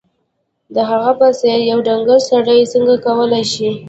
د هغه په څېر یو ډنګر سړی څنګه کولای شي